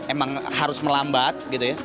emang harus melambat gitu ya